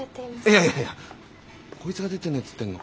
いやいやいやこいつが出てねえっつってんの。